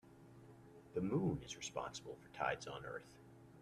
The moon is responsible for tides on earth.